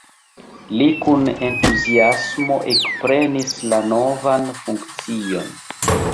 Li kun entuziasmo ekprenis la novan funkcion.